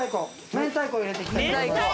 明太子入れていきたいと思います。